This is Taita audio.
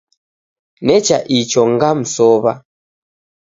Necha icho ngamsowa